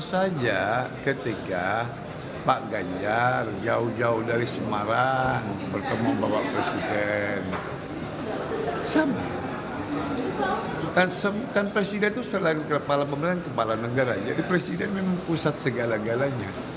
saja ketika pak ganjar jauh jauh dari semarang bertemu bapak presiden sama dan semuanya kan